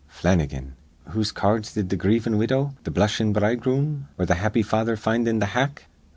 Flannigan. Whose ca ards did th' grievin' widow, th' blushin' bridegroom, or th' happy father find in th' hack?